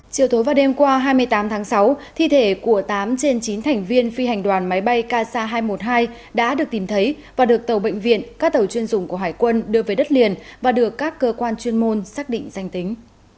chiều tối và đêm qua hai mươi tám tháng sáu thi thể của tám trên chín thành viên phi hành đoàn máy bay kc hai trăm một mươi hai đã được tìm thấy và được tàu bệnh viện các tàu chuyên dùng của hải quân đưa về đất liền và được các cơ quan chuyên môn xác định danh tính